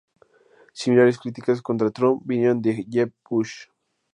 Similares críticas contra Trump vinieron de Jeb Bush.